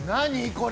これ。